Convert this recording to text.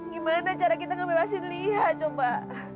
gimana cara kita ngebebasin lihat coba